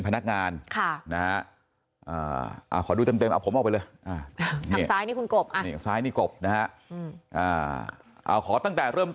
พนักงานขอดูเต็มชั้นออกไปเลยไหนของตั้งแต่เริ่มต้น